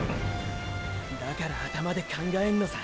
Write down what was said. だから頭で考えんのさ。